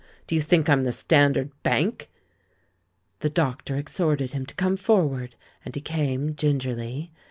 Do you think I'm the Standard Bank?"' The doctor exhorted him to come forward, and he came gingerly.